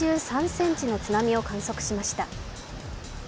８３ｃｍの津波を観測しました。